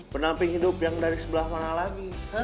penamping hidup yang dari sebelah mana lagi